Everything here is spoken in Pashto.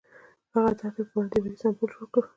هغه د عطر په بڼه د مینې سمبول جوړ کړ.